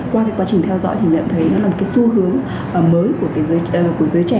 qua quá trình theo dõi thì nhận thấy